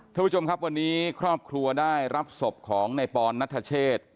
ท่านผู้ชมครับวันนี้ครอบครัวได้รับศพของในปอนนัทเชษ